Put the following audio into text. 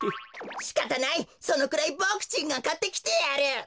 しかたないそのくらいボクちんがかってきてやる。